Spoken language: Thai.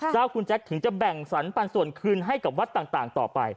เจ้าคุณแจ๊คถึงจะแบ่งสรรปันส่วนคืนให้กับวัดต่างต่อไป